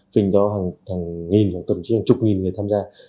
phình do hàng nghìn hoặc tổ chức hàng chục nghìn người tham gia